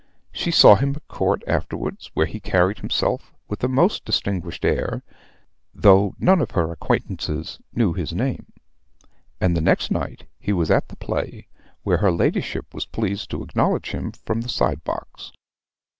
She saw him at Court afterwards, where he carried himself with a most distinguished air, though none of her acquaintances knew his name; and the next night he was at the play, where her ladyship was pleased to acknowledge him from the side box.